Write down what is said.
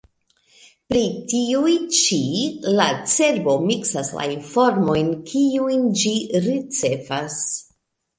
Pri tiuj ĉi la cerbo miksas la informojn, kiujn ĝi ricevas.